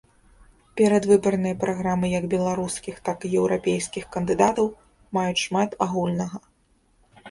Перадвыбарныя праграмы як беларускіх, так і еўрапейскіх кандыдатаў маюць шмат агульнага.